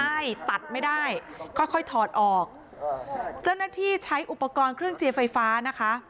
ใช่ตัดไม่ได้ค่อยค่อยถอดออกเจ้าหน้าที่ใช้อุปกรณ์เครื่องเจียไฟฟ้านะคะ